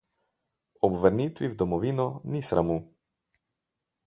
Ob vrnitvi v domovino ni sramu.